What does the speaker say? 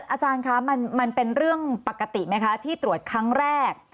อาจารย์คะมันเป็นเรื่องปกติไหมคะที่ตรวจครั้งแรก